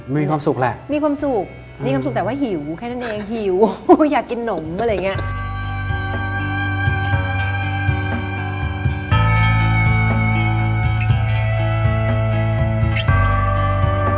มีความสุขแหละมีความสุขมีความสุขแต่ว่าหิวแค่นั้นเองหิวอยากกินนมอะไรอย่างเงี้ย